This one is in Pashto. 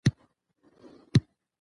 ځای ته سفر کوي، ورسره مخ کېږي.